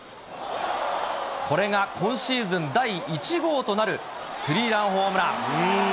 これが今シーズン第１号となるスリーランホームラン。